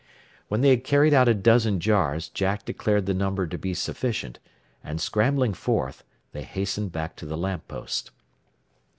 When they had carried out a dozen jars Jack declared the number to be sufficient, and scrambling forth, they hastened back to the lamp post.